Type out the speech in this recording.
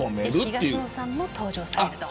東野さんも登場される。